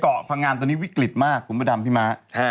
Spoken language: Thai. พังงานตอนนี้วิกฤตมากคุณพระดำพี่ม้า